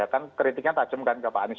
kan kritiknya tajam kan ke pak anies